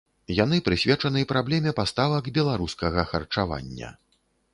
Яны прысвечаны праблеме паставак беларускага харчавання.